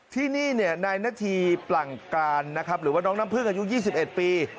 ที่นี่นายนาธีปลั่งการนะครับหรือว่าน้องน้ำพึ่งอายุ๒๑ปี